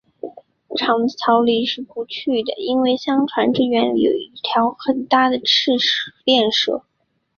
长的草里是不去的，因为相传这园里有一条很大的赤练蛇